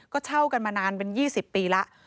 ก็เช่ากันมานานเป็น๒๐ปีแล้ว